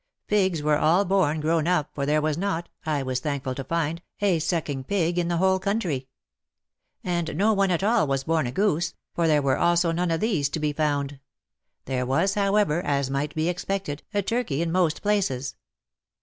Pigs were all born grown up, for there was not — I was thankful to find — a sucking pig in the whole country. And no one at all was born a goose, for there were also none of these to be found. There was, however, as might be expected, a turkey in most places.